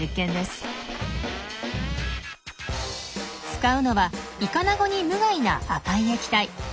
使うのはイカナゴに無害な赤い液体。